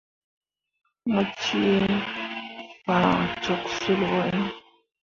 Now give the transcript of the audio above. Mo cẽe fah cok sul ɓo iŋ.